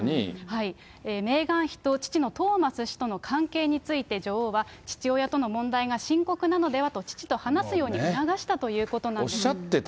メーガン妃と父のトーマス氏との関係について、女王は、父親との問題が深刻なのではと、父と話すように促したということなんです。